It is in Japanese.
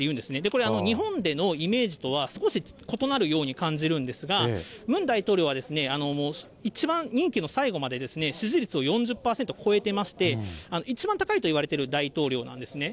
これ、日本でのイメージとは少し異なるように感じるんですが、ムン大統領は、一番、任期の最後まで支持率を４０％超えてまして、一番高いといわれている大統領なんですね。